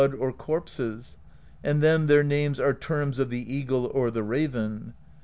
214 PROSE EDDA or corpses; and then their names are terms of the eagle or the raven.